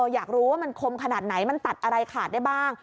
อยากรู้ว่ามันคมขนาดไหนมันตัดอะไรขาดได้บ้าง